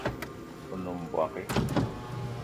O nem mbogue